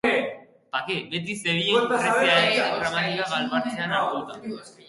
Beti zebilen grezierazko gramatika galtzarbean hartuta.